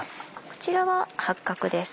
こちらは八角です。